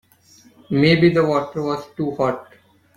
Maybe the water was too hot.